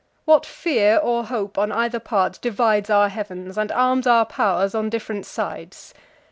What fear or hope on either part divides Our heav'ns, and arms our powers on diff'rent sides?